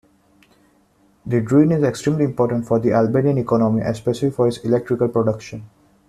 The Drin is extremely important for the Albanian economy, especially for its electrical production.